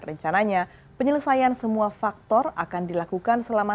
rencananya penyelesaian semua faktor akan dilakukan selama